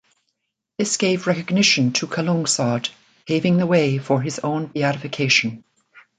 This gave recognition to Calungsod, paving the way for his own beatification.